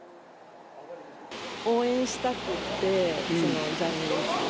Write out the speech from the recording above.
応援したくて、その、ジャニーズを。